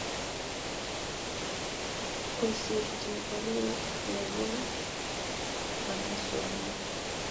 Kosirchi baruet ne koi amasoman